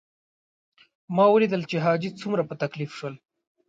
ما ولیدل چې حاجي څومره په تکلیف شول.